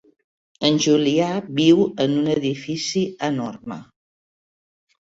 En Julià viu en un edifici enorme.